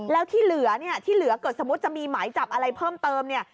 แล้วที่เหลือเนี่ยที่เหลือเกิดสมมุติจะมีหมายจับอะไรเพิ่มเติมเนี่ย